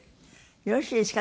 よろしいですか？